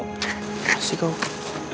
terima kasih kau